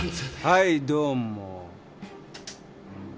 はいどうも。